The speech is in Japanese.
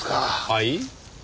はい？